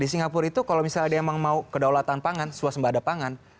di singapura itu kalau misalnya dia mau kedaulatan pangan suasembah ada pangan